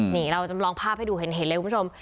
นี่เราจำลองภาพให้ดูเห็นเลยคุณผู้ชม